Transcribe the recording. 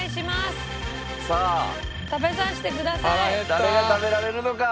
誰が食べられるのか？